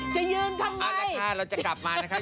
อค่ะเราจะกลับมานะครับ